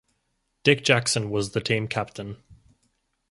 Dick Jackson was the team captain.